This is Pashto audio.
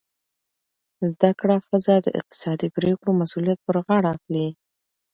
زده کړه ښځه د اقتصادي پریکړو مسؤلیت پر غاړه اخلي.